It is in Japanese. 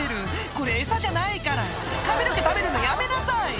「これエサじゃないから髪の毛食べるのやめなさい」